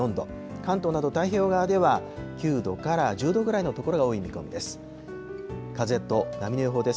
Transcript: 関東など太平洋側では９度から１０度ぐらいの所が多い見込みです。